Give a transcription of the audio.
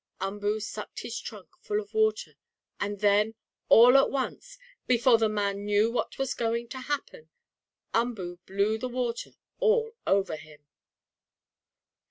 Umboo sucked his trunk full of water and then, all at once, before the man knew what was going to happen, Umboo blew the water all over him.